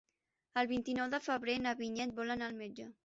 El vint-i-nou de febrer na Vinyet vol anar al metge.